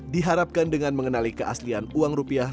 diharapkan dengan mengenali keaslian uang rupiah